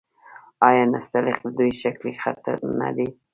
آیا نستعلیق د دوی ښکلی خط نه دی؟